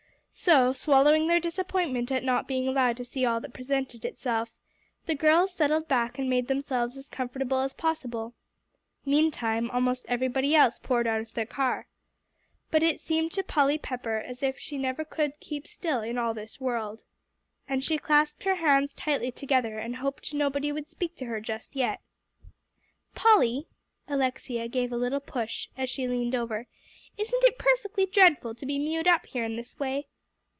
So, swallowing their disappointment at not being allowed to see all that presented itself, the girls settled back and made themselves as comfortable as possible. Meantime almost everybody else poured out of their car. But it seemed to Polly Pepper as if she never could keep still in all this world. And she clasped her hands tightly together and hoped nobody would speak to her just yet. "Polly," Alexia gave a little push, as she leaned over, "isn't it perfectly dreadful to be mewed up here in this way?